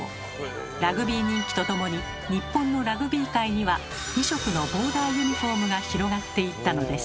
ラグビー人気とともに日本のラグビー界には２色のボーダーユニフォームが広がっていったのです。